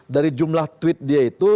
dari jumlah tweet dia itu